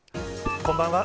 こんばんは。